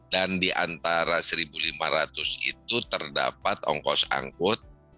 dan di antara rp satu lima ratus itu terdapat ongkos angkut